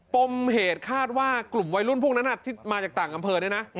ปมเหตุคาดว่ากลุ่มวัยรุ่นพวกนั้นที่มาจากต่างอำเภอเนี่ยนะ